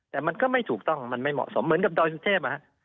แต่มันก็ไม่ถูกต้องมันไม่เหมาะสมเหมือนกับดอยสุเทพ